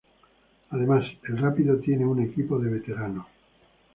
Además el Rápido tiene un equipo de veteranos.